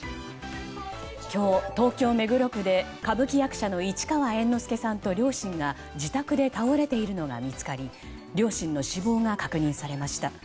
今日、東京・目黒区で歌舞伎役者の市川猿之助さんと両親が自宅で倒れているのが見つかり両親の死亡が確認されました。